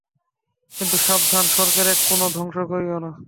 কিন্তু সাবধান, স্বর্গের এক কোণও ধ্বংস করিয়ো না।